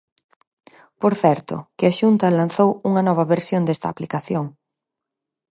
Por certo, que a Xunta lanzou unha nova versión desta aplicación.